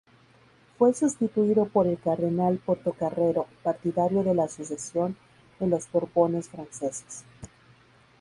Fue sustituido por el cardenal Portocarrero, partidario de la sucesión en los Borbones franceses.